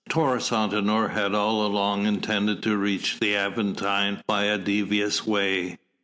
Taurus Antinor had all along intended to reach the Aventine by a devious way.